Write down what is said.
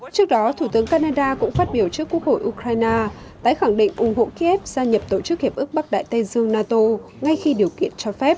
trước đó thủ tướng canada cũng phát biểu trước quốc hội ukraine tái khẳng định ủng hộ kiev gia nhập tổ chức hiệp ước bắc đại tây dương nato ngay khi điều kiện cho phép